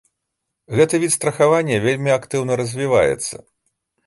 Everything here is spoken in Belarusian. Гэты від страхавання вельмі актыўна развіваецца.